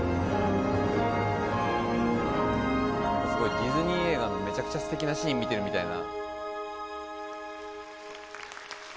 ディズニー映画のメチャクチャステキなシーン見てるみたいな。